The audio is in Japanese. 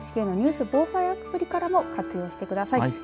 ＮＨＫのニュース・防災アプリからも活用してください。